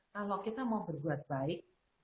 kalau kita mau berbuat baik